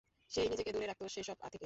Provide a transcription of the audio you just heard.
সে-ই নিজেকে দূরে রাখত সেসব থেকে।